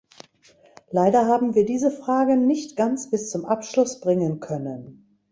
Leider haben wir diese Fragen nicht ganz bis zum Abschluss bringen können.